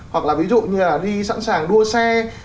hoặc là ví dụ như là đi sẵn sàng đua xe